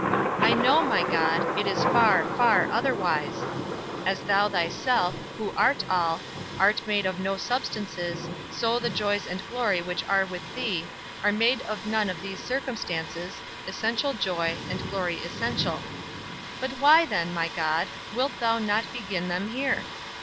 I know, my God, it is far, far otherwise. As thou thyself, who art all, art made of no substances, so the joys and glory which are with thee are made of none of these circumstances, essential joy, and glory essential. But why then, my God, wilt thou not begin them here?